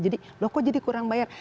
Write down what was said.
jadi loh kok jadi kurang bayar